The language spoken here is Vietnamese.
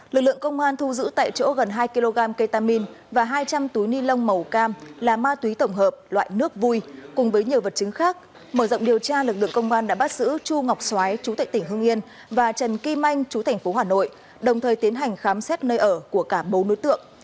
lực lượng công an thu giữ tại chỗ gần hai kg ketamine và hai trăm linh túi ni lông màu cam là ma túy tổng hợp loại nước vui cùng với nhiều vật chứng khác mở rộng điều tra lực lượng công an đã bắt giữ chu ngọc xoái chú tại tỉnh hương yên và trần kim anh chú thành phố hà nội đồng thời tiến hành khám xét nơi ở của cả bốn đối tượng